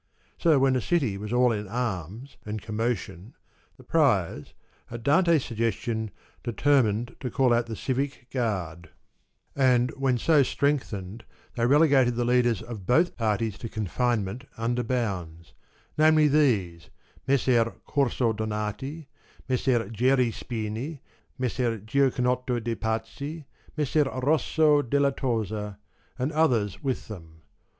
So when the city was all in arms and commotion, the Priors, at Dante's suggestion, deter mined to call out the civic guard ; and when so strengthened they relegated the leaders of both parties to confinement under bounds ; namely these, Messer Corso Donati, Messer Geri Spini, Messer Giachinotto de' Pazzi, Messer Rosso della Tosa, and others with them.